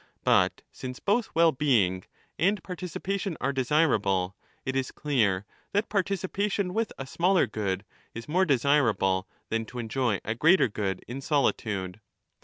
But since both well being and participation are desirable, it is clear that participation with a smaller good is more desirable than to enjoy a greater good in solitude.